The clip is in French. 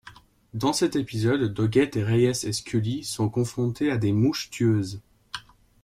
Dans cet épisode, Doggett, Reyes et Scully sont confrontés à des mouches tueuses.